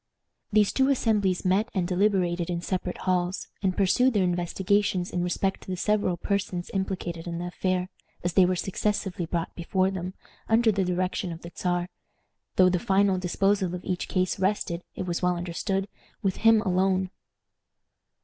These two assemblies met and deliberated in separate halls, and pursued their investigations in respect to the several persons implicated in the affair, as they were successively brought before them, under the direction of the Czar, though the final disposal of each case rested, it was well understood, with him alone.